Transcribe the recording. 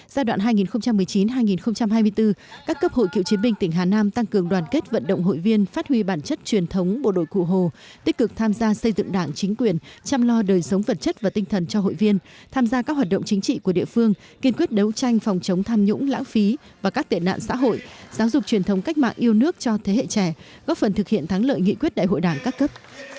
giai đoạn hai nghìn một mươi chín hai nghìn hai mươi bốn các cấp hội cựu chiến binh tỉnh hà nam tăng cường đoàn kết vận động hội viên phát huy bản chất truyền thống bộ đội cụ hồ tích cực tham gia xây dựng đảng chính quyền chăm lo đời sống vật chất và tinh thần cho hội viên tham gia các hoạt động chính trị của địa phương kiên quyết đấu tranh phòng chống tham nhũng lãng phí và các tiện nạn xã hội giáo dục truyền thống cách mạng yêu nước cho thế hệ trẻ góp phần thực hiện thắng lợi nghị quyết đại hội đảng các cấp